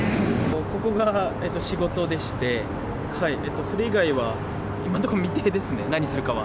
ここが仕事でして、それ以外は今のところ未定ですね、何するかは。